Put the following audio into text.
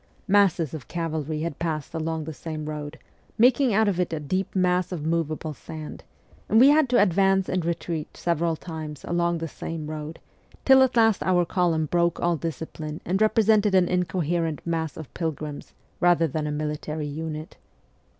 Masses of cavalry had passed along the same road, making out of it a deep mass of movable sand; and we had to advance and retreat several times along the same THE CORPS OF PAGES 143 road, till at last our column broke all discipline and represented an incoherent mass of pilgrims rather than a military unit.